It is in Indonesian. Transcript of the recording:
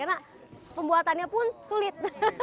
karena pembuatannya pun sulit